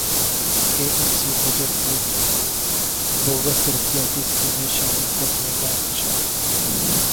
کے M C budget میں bogus ترقیاتی اسکیمیں شامل کرنیکا انکشاف